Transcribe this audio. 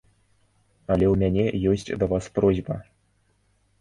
Але ў мяне ёсць да вас просьба.